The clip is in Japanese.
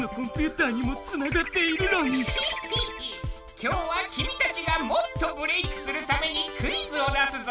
今日は君たちがもっとブレイクするためにクイズを出すぞ！